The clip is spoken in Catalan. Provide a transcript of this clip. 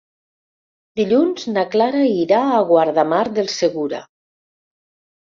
Dilluns na Clara irà a Guardamar del Segura.